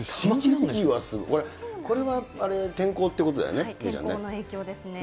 これはあれ、天候っていうことだ天候の影響ですね。